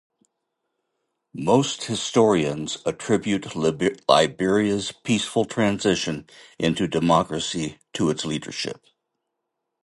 Most historians attribute Liberia's peaceful transition into democracy to his leadership.